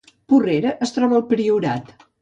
Porrera es troba al Priorat